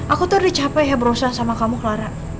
aku tuh udah capek ya berusaha sama kamu clara